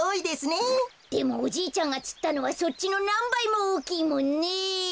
でもおじいちゃんがつったのはそっちのなんばいもおおきいもんね！